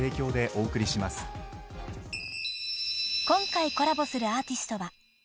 ［今回コラボするアーティストは？］